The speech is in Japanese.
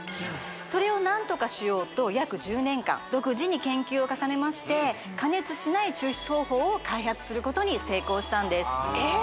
それを何とかしようと約１０年間独自に研究を重ねまして加熱しない抽出方法を開発することに成功したんですえっ！